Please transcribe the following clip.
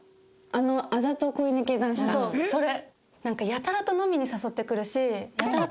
それ。